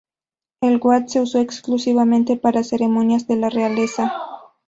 El Wat se usó exclusivamente para ceremonias de la realeza.